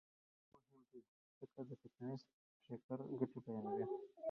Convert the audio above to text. عصري تعلیم مهم دی ځکه چې د فټنس ټریکر ګټې بیانوي.